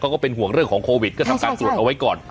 ก็เป็นห่วงเรื่องของโควิดก็ทำการตรวจเอาไว้ก่อน